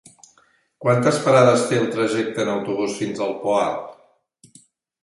Quantes parades té el trajecte en autobús fins al Poal?